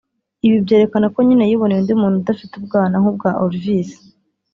Ibi byerekana ko nyine yiboneye undi muntu udafite ubwana nk'ubwa Olvis